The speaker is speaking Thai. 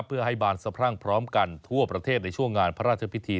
เพื่อให้บานสะพรั่งพร้อมกันทั่วประเทศในช่วงงานพระราชพิธี